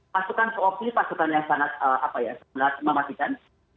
pasukan seopi pasukan yang sangat mematikan